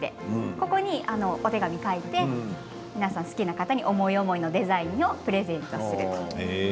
ここにお手紙を書いて皆さん好きな方に思い思いのデザインをプレゼントする。